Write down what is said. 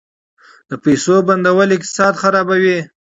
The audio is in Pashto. د پیسو بندول اقتصاد خرابوي.